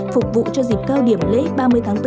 phục vụ cho dịp cao điểm lễ ba mươi tháng bốn